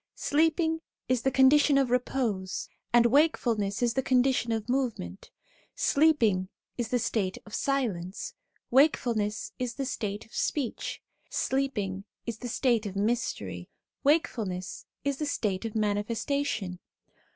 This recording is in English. Sleep ing is the condition of repose, and wakefulness is the condition of movement ; sleeping is the state of silence, wakefulness is the state of speech ; sleeping is the state of mystery, wakefulness is the state of manifestation.